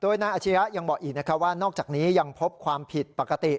โดยนายอาชียะยังบอกอีกว่านอกจากนี้ยังพบความผิดปกติ